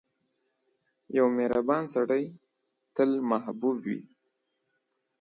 • یو مهربان سړی تل محبوب وي.